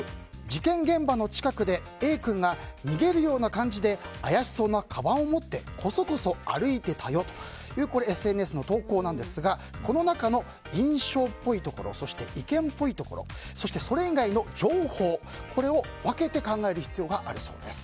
事件現場の近くでＡ君が逃げるような感じで怪しそうなかばんを持ってコソコソ歩いていたよというＳＮＳの投稿ですがこの中の印象っぽいところ意見っぽいところそして、それ以外の情報これを分けて考える必要があるそうです。